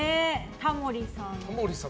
タモリさん。